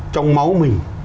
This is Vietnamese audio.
trong máu mình